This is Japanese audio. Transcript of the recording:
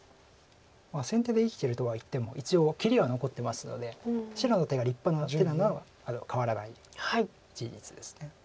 先手で生きてるとはいっても一応切りは残ってますので白の手が立派な手なのは変わらない事実です。